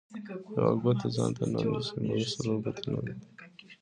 ـ يوه ګوته ځانته نه نيسي، مګر څلور ګوتې نورو ته.